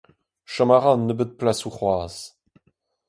Chom a ra un nebeud plasoù c'hoazh !